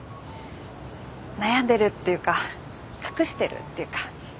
悩んでるっていうか隠してるっていうか。